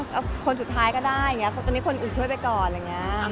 เราก็ว่าว่าจะไงดีเนาะ